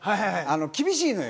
厳しいのよ。